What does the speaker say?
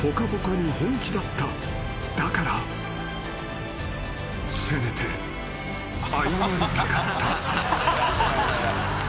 ［だからせめて謝りたかった］